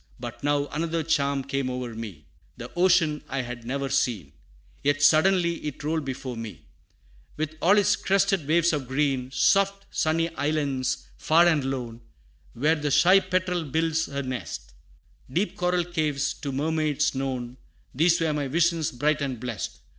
But now another charm came o'er me: The ocean I had never seen; Yet suddenly it rolled before me, With all its crested waves of green! Soft sunny islands, far and lone, Where the shy petrel builds her nest; Deep coral caves to mermaids known These were my visions bright and blest.